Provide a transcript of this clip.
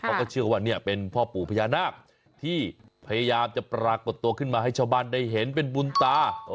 เขาก็เชื่อว่าเนี่ยเป็นพ่อปู่พญานาคที่พยายามจะปรากฏตัวขึ้นมาให้ชาวบ้านได้เห็นเป็นบุญตา